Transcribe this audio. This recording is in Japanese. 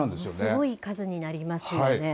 すごい数になりますよね。